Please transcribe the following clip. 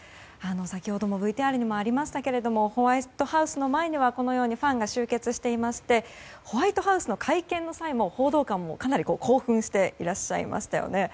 先ほど、ＶＴＲにもありましたがホワイトハウスの前にはファンが集結していましてホワイトハウスの会見の際報道官もかなり興奮していらっしゃいましたよね。